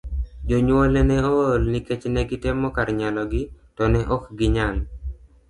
Jonyuolne ne ool nikech ne gitemo kar nyalogi to ne ok ginyal.